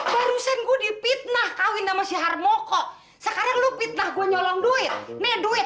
barusan gue dipitnah kawin sama si harmoko sekarang lu pita gue nyolong duit nih duit